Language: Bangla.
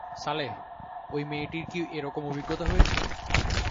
সালেহ, ঐ মেয়েটির কি এ-রকম অভিজ্ঞতা হয়েছে?